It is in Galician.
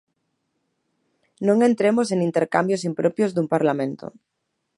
Non entremos en intercambios impropios dun Parlamento.